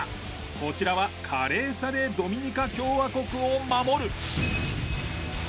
こちらは華麗さでドミニカ共和国を守る。